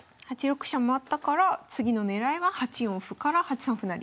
８六飛車回ったから次の狙いは８四歩から８三歩成。